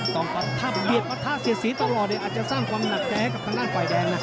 ต้องประทับเปรียดประท่าเสียสีตลอดอาจจะสร้างความหนักแกะกับทางด้านฝ่ายแดงนะ